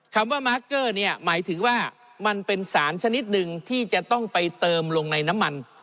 คำว่ามาร์คเกอร์เนี่ยหมายถึงว่ามันเป็นสารชนิดหนึ่งที่จะต้องไปเติมลงในน้ำมัน